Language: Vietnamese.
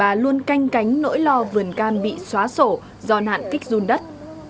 mà luôn canh cánh nỗi lo vườn cam bị xóa sổ do nạn kích run đất